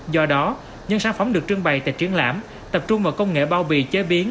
do đó những sản phẩm được trưng bày tại triển lãm tập trung vào công nghệ bao bì chế biến